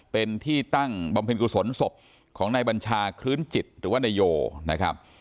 เป็นที่ตั้งบำเพ็ญกุศลศพของนายบัญชาคลื้นจิตหรือว่านายโยนะครับ